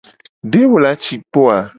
De wo la ci kpo a?